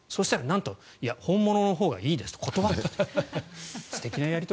そしたら、なんと本物のほうがいいですと断ったと。